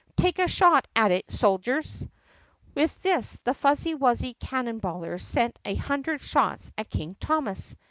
Take a shot at it, soldiers!" With this the Fuzzy wuzzy Cannon bailers sent a hundred shots at King Thomas.